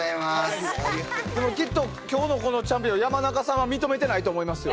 きっと今日のこのチャンピオン山中さんは認めてないと思いますよ。